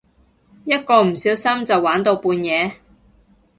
一個唔小心就玩到半夜